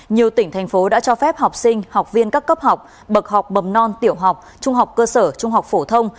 nhiều tỉnh thành phố đã cho phép học sinh học viên các cấp học bậc học mầm non tiểu học trung học cơ sở trung học phổ thông